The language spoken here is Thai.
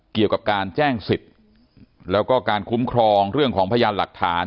เกี่ยวกับการแจ้งสิทธิ์แล้วก็การคุ้มครองเรื่องของพยานหลักฐาน